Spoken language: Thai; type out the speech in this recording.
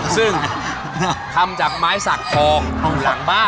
ซึ่งทำจากไม้สักทองหลังบ้าน